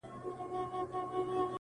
هغه خو ټوله ژوند تاته درکړی وو په مينه!!